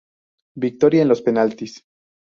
Victoria en los penaltis.